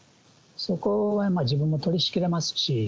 そこは自分も取りしきれますし。